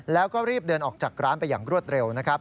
แล้วก็รีบเดินออกจากร้านไปอย่างรวดเร็วนะครับ